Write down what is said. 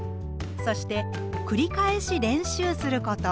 そしてくり返し練習すること。